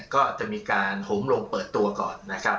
ก็จะมีการหงลงเปิดตัวก่อน